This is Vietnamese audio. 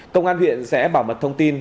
công an huyện sẽ bảo mật thông tin